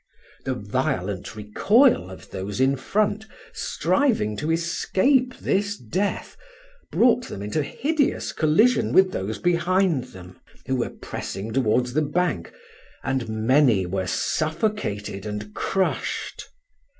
The violent recoil of those in front, striving to escape this death, brought them into hideous collision with those behind then, who were pressing towards the bank, and many were suffocated and crushed.